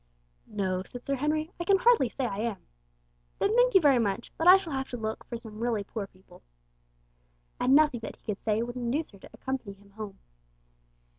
"No," said Sir Henry. "I can hardly say I am." "Then thank you very much, but I shall have to look for some really poor people." And nothing that he could say would induce her to accompany him home.